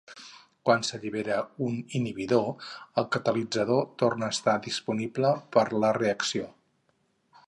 Quan s'allibera un inhibidor, el catalitzador torna a estar disponible per la reacció.